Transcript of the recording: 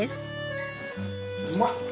うまっ！